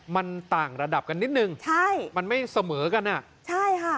มันต่างระดับกันนิดนึงใช่มันไม่เสมอกันอ่ะใช่ค่ะ